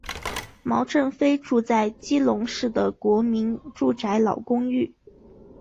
毛振飞住在基隆市的国民住宅老公寓。